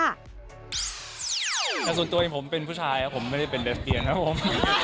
ประสุนตัวอีกผมเป็นผู้ชายผมไม่ได้เป็นเดฟเบียนครับผม